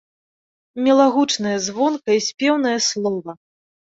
Мілагучнае, звонкае, спеўнае слова!